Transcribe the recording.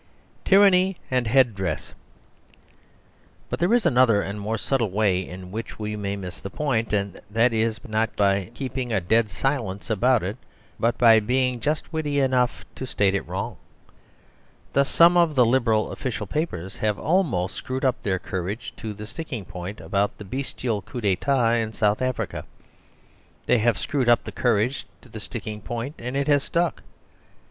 Tyranny and Head Dress But there is another and more subtle way in which we may miss the point; and that is, not by keeping a dead silence about it, but by being just witty enough to state it wrong. Thus, some of the Liberal official papers have almost screwed up their courage to the sticking point about the bestial coup d'etat in South Africa. They have screwed up their courage to the sticking point; and it has stuck.